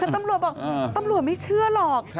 แต่ตำรวจบอกตำรวจไม่เชื่อหรอก